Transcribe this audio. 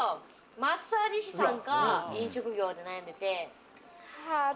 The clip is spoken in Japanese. マッサージ師さんが飲食業で悩んでて。